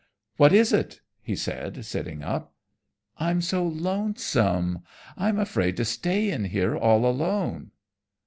"What is it?" he said, sitting up. "I'm so lonesome, I'm afraid to stay in here all alone."